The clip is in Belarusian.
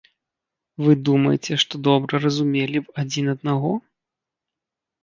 Вы думаеце, што добра разумелі б адзін аднаго?